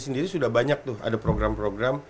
sendiri sudah banyak tuh ada program program